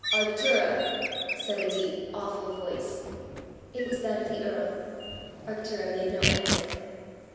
"Arctura," said a deep, awful voice. It was that of the earl. Arctura made no answer.